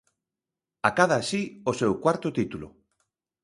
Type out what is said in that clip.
Acada así o seu cuarto título.